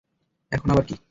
এখন আবার কী?